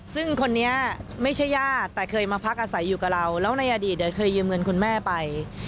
ซึ่งคนนี้ไม่ใช่ญาติแต่เคยมาพักอาศัยอยู่กับเราแล้วในอดีตเคยยืมเงินคุณแม่ไป